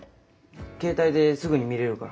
携帯ですぐに見れるから。